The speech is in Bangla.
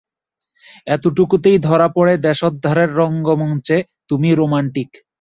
একটুকুতেই ধরা পড়ে দেশোদ্ধারের রঙ্গমঞ্চে তুমি রোম্যান্টিক।